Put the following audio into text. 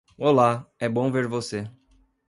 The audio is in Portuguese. Olá! É bom ver você!